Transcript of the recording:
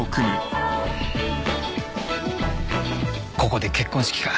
ここで結婚式か。